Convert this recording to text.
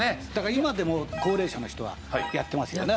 今でも高齢者の人はやってますよね。